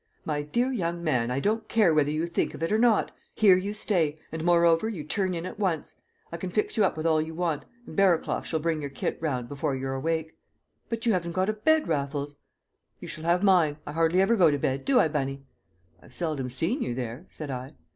"My dear young man, I don't care whether you think of it or not. Here you stay, and moreover you turn in at once. I can fix you up with all you want, and Barraclough shall bring your kit round before you're awake." "But you haven't got a bed, Raffles?" "You shall have mine. I hardly ever go to bed do I, Bunny?" "I've seldom seen you there," said I.